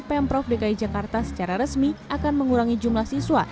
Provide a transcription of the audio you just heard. pemprov dki jakarta secara resmi akan mengurangi jumlah siswa